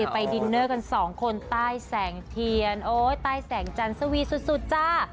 ไปดินเนอร์กันสองคนใต้แสงเทียนโอ๊ยใต้แสงจันทร์สวีสุดจ้า